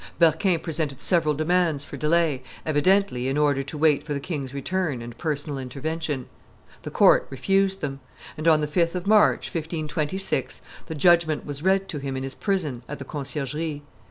Berquin presented several demands for delay, evidently in order to wait for the king's return and personal intervention. The court refused them; and, on the 5th of March, 1526, the judgment was read to him in his prison at the Conciergerie.